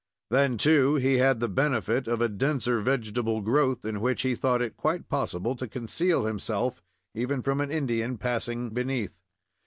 Then, too, he had the benefit of a denser vegetable growth, in which he thought it quite possible to conceal himself even from an Indian passing beneath.